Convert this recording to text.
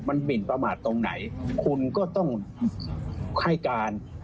มันหมินประมาทตรงไหนคุณก็ต้องให้การ